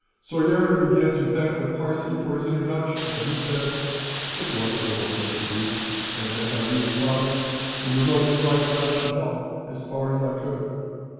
Soyera began to thank the Parsee for his introduction, but he said: "It was a little thing to do and, as I knew his father, it was only right that I should help, as far as I could.